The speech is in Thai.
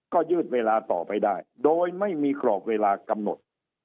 ก็ยืดเวลาต่อไปได้โดยไม่มีกรอบเวลากำหนด